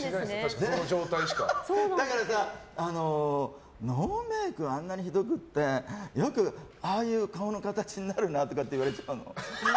だからさ、ノーメイクあんなにひどくってよく、ああいう顔の形になるなとかって言われちゃうの。